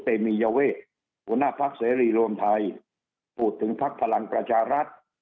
เตมียเวทหัวหน้าพักเสรีรวมไทยพูดถึงพักพลังประชารัฐ